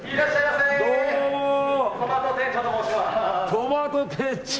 トマト店長